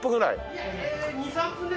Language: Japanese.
いや２３分ですね。